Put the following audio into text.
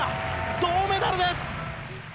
銅メダルです。